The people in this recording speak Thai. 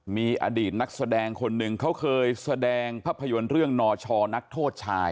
มีอดีตนักแสดงคนหนึ่งเขาเคยแสดงภาพยนตร์เรื่องนชนักโทษชาย